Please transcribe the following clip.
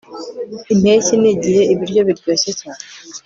Impeshyi nigihe ibiryo biryoshye cyane